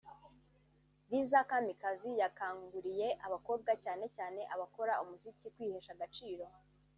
Liza Kamikazi yakanguriye abakobwa cyane cyane abakora umuziki kwihesha agaciro